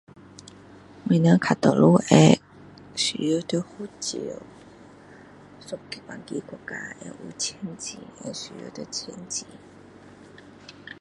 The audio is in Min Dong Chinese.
我们大多数会需要到护照一个两个国家会签字会需要到签字